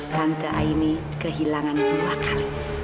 tante aini kehilangan dua kali